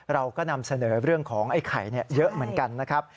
เราก็นำเสนอเรื่องของไอ้ไข่เยอะเหมือนกันนะครับ